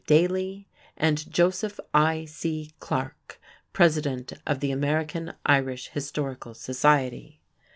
Daly; and Joseph I.C. Clarke, president of the American Irish Historical Society.